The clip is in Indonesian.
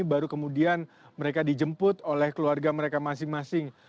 baru kemudian mereka dijemput oleh keluarga mereka masing masing